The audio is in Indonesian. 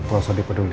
gak usah dipeduli